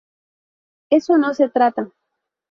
Eso no se trata.